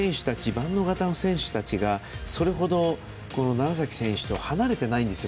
万能型の選手たちがそれほど、楢崎選手と離れてないんですよ。